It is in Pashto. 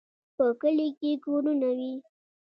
په کلي کې کورونه وي.